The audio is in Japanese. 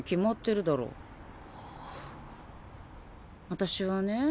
私はね